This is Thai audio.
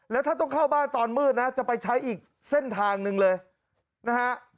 แล้วถ้าต้องเข้าบ้านตอนมืดนะจะไปใช้อีกเส้นทางหนึ่งเลยนะฮะ